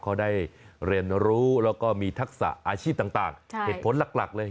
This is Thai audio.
เขาได้เรียนรู้แล้วก็มีทักษะอาชีพต่างเหตุผลหลักเลย